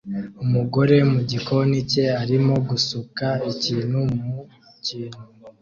Umugore mu gikoni cye arimo gusuka ikintu mu kintu